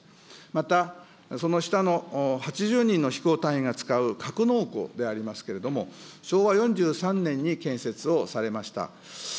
またその下の８０人の飛行隊員が使う格納庫でありますけれども、昭和４３年に建設をされました。